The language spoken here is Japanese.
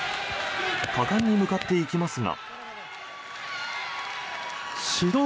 果敢に向かっていきますが。